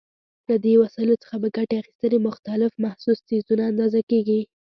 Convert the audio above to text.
له دې وسایلو څخه په ګټې اخیستنې مختلف محسوس څیزونه اندازه کېږي.